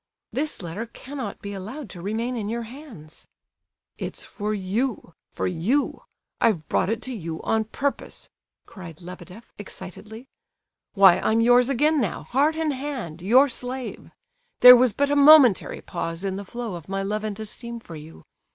"This letter cannot be allowed to remain in your hands." "It's for you—for you! I've brought it you on purpose!" cried Lebedeff, excitedly. "Why, I'm yours again now, heart and hand, your slave; there was but a momentary pause in the flow of my love and esteem for you.